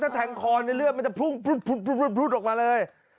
ถ้าแทงคอในเลือดมันจะพุ่งออกมาเลย